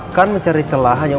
bahkan mencari celahnya